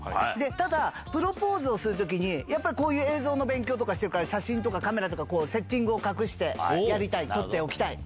ただ、プロポーズをするときに、やっぱりこういう映像の勉強してるから、写真とかカメラとか、セッティングを隠しておきたい、やっておきたい。